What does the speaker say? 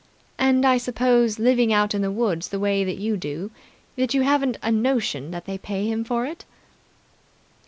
"And I suppose, living out in the woods the way that you do that you haven't a notion that they pay him for it."